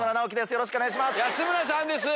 よろしくお願いします。